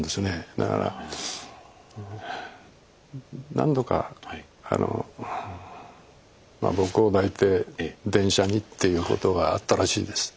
だから何度かあの僕を抱いて電車にっていうことがあったらしいです。